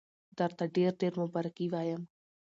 درته ډېر ډېر مبارکي وایم.